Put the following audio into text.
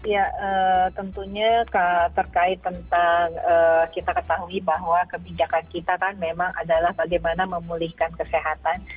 ya tentunya terkait tentang kita ketahui bahwa kebijakan kita kan memang adalah bagaimana memulihkan kesehatan